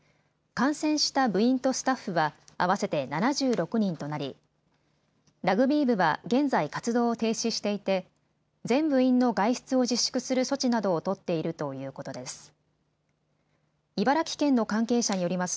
感染した部員とスタッフは合わせて７６人となりラグビー部は現在活動を停止していて全部員の外出を自粛する措置などを取っているということです。